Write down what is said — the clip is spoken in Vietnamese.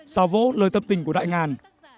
sáu vỗ lời tâm tình của đại ngàn